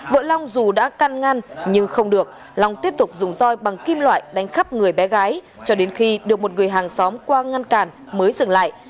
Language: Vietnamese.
vợ long dù đã căn ngăn nhưng không được long tiếp tục dùng roi bằng kim loại đánh khắp người bé gái cho đến khi được một người hàng xóm qua ngăn cản mới dừng lại